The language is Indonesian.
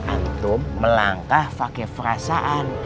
antum melangkah pakai perasaan